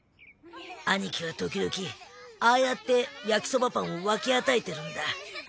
アニキは時々ああやって焼きそばパンを分け与えてるんだ。